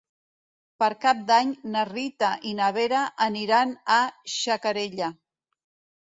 Per Cap d'Any na Rita i na Vera aniran a Xacarella.